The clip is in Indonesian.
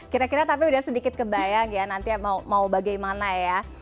kira kira tapi udah sedikit kebayang ya nanti mau bagaimana ya